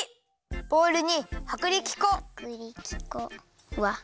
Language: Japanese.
ボウルにはくりき粉。はくりき粉うわっ。